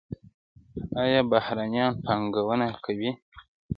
آیا بهرنیان پانګونه کوي؟